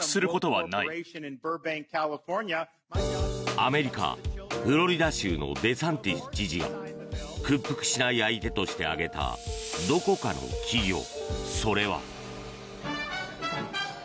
アメリカ・フロリダ州のデサンティス知事が屈服しない相手として挙げたどこかの企業、それは。